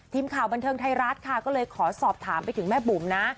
ทีมข่าวบันเทิงไทยรัฐค่ะก็เลยขอสอบถามไปถึงแม่บุ๋มนะ